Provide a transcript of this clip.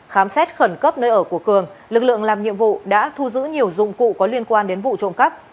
khám xét khẩn cấp nơi ở của cường lực lượng làm nhiệm vụ đã thu giữ nhiều dụng cụ có liên quan đến vụ trộm cắp